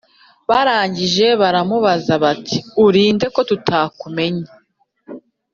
Barangije baramubaza bati: "Uri nde ko tutakumenye